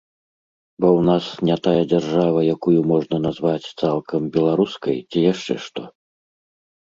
Бо ў нас не тая дзяржава, якую можна назваць цалкам беларускай, ці яшчэ што?